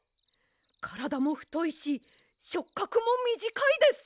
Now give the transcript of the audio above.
からだもふといししょっかくもみじかいです。